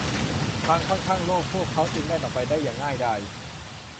ทางค่อนข้างโล่ง พวกเขาจึงแล่นออกไปได้อย่างง่ายดาย